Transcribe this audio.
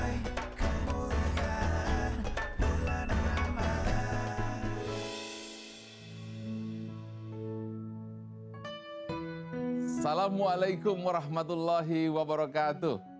assalamualaikum warahmatullahi wabarakatuh